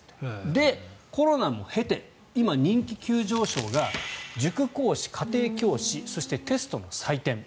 で、コロナを経て今、人気急上昇が塾講師、家庭教師そしてテストの採点。